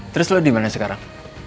terus lo dimana sekarang